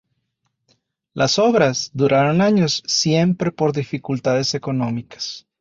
Las obras duraron años siempre por dificultades económicas.